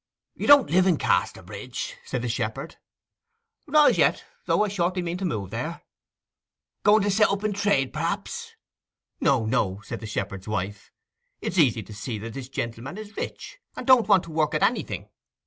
'You don't live in Casterbridge?' said the shepherd. 'Not as yet; though I shortly mean to move there.' 'Going to set up in trade, perhaps?' 'No, no,' said the shepherd's wife. 'It is easy to see that the gentleman is rich, and don't want to work at anything.